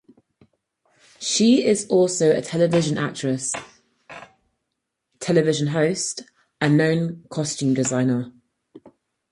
She is also a television actress, television host and known costume designer.